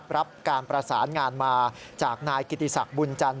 รับการประสานงานมาจากนายกิติศักดิ์บุญจันท